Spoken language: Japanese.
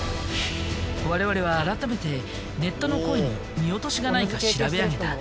我々は改めてネットの声に見落としがないか調べ上げた。